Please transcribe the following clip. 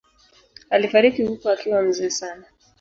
Alifariki huko akiwa mzee sana.